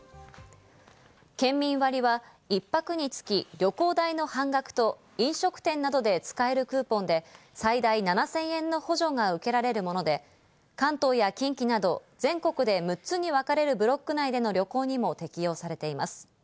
県民割は１泊につき旅行代の半額と飲食店などで使えるクーポンで最大７０００円の補助が受けられるもので、関東や近畿など全国で６つに分かれるブロック内での旅行にも適用されています。